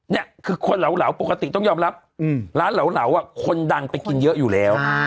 นี่คือคนเหลาปกติต้องยอมรับร้านเหลาคนดังไปกินเยอะอยู่แล้ว